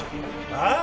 ああ！？